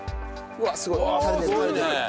うわあすごいね。